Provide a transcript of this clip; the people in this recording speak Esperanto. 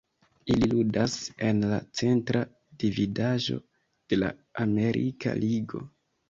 Ili ludas en la Centra Dividaĵo de la Amerika Ligo.